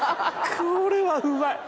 これはうまい！